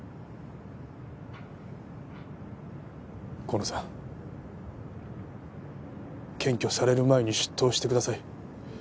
河野さん検挙される前に出頭してください。